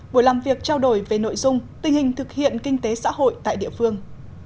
buổi làm việc trao đổi về nội dung tình hình thực hiện kinh tế xã hội tại địa phương